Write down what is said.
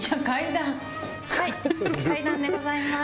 階段でございます。